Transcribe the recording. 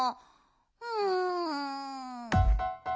うん。